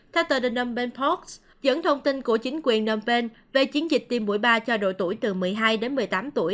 theo tờ the numban post dẫn thông tin của chính quyền numban về chiến dịch tiêm mũi ba cho đội tuổi từ một mươi hai đến một mươi tám tuổi